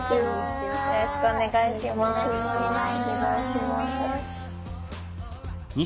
よろしくお願いします。